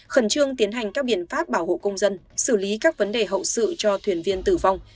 khẩn trương tiến hành các biện pháp bảo hộ công dân xử lý các vấn đề hậu sự cho thuyền viên tử vong